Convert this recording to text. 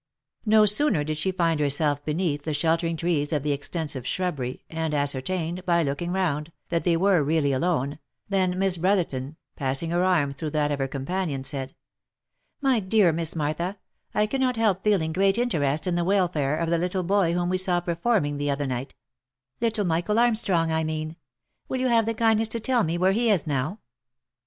No sooner did she find herself beneath the sheltering trees of the extensive shrubbery, and ascertained, by looking round, that they were really alone, than Miss Brotherton, passing her arm through that of her companion, said, " My dear Miss Martha, I cannot help feeling great interest in the welfare of the little boy whom we saw performing the other night — little Michael Armstrong, I mean. Will you have the kindness to tell me where he is now